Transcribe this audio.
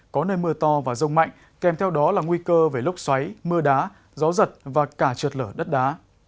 có nơi mưa to và rông mạnh kèm theo đó là nguy cơ về lốc xoáy mưa đá gió giật và cả trượt lở đất đá